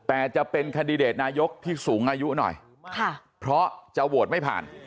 แต่จะเป็นคันดิเดตนายกที่สูงอายุหน่อยเพราะจะโหวตไม่ผ่าน